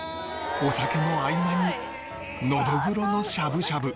お酒の合間にノドグロのしゃぶしゃぶ